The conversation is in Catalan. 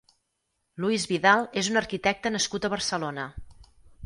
Luis Vidal és un arquitecte nascut a Barcelona.